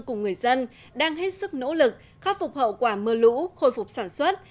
cùng người dân đang hết sức nỗ lực khắc phục hậu quả mưa lũ khôi phục sản xuất